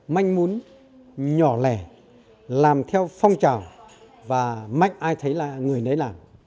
mạnh muốn nhỏ lẻ làm theo phong trào và mạnh ai thấy là người nấy làm